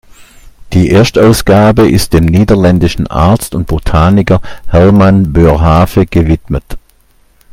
Die Erstausgabe ist dem niederländischen Arzt und Botaniker Herman Boerhaave gewidmet.